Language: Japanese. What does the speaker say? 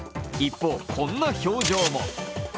一方、こんな表情も。